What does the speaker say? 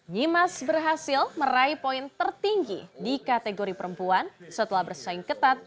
nyimas berhasil meraih poin tertinggi di kategori perempuan setelah bersaing ketat